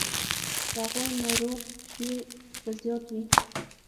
د هغو نارو شمېر به زیات وي.